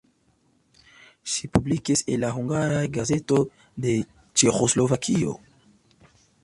Ŝi publikis en la hungaraj gazetoj de Ĉeĥoslovakio.